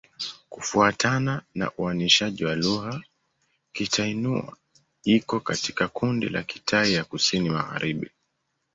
Kufuatana na uainishaji wa lugha, Kitai-Nüa iko katika kundi la Kitai ya Kusini-Magharibi.